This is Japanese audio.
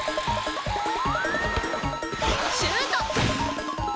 シュート！